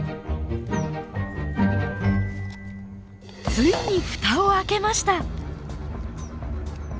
ついにフタを開けました。